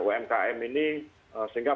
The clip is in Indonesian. umkm ini sehingga